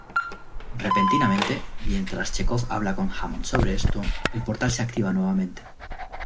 Repentinamente, mientras Chekov habla con Hammond sobre esto, el Portal se activa nuevamente.